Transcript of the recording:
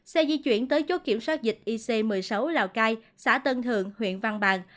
xe di chuyển tới chốt kiểm soát dịch ic một mươi sáu lào cai xã tân thượng huyện văn bàn